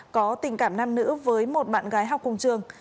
có tình cảm nam nữ với một bạn gái học cùng trường